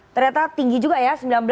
ternyata tinggi juga ya